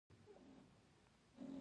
ملګری د رښتینې یارۍ سمبول دی